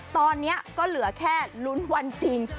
ตอนนี้ก็เหลือแค่ลุ้นวันจริง